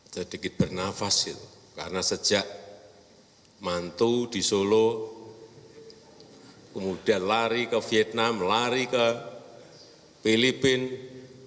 sedikit bernafas karena sejak mantu di solo kemudian lari ke vietnam lari ke filipina